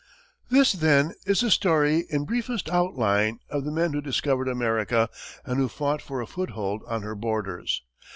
This, then, is the story in briefest outline of the men who discovered America and who fought for a foothold on her borders.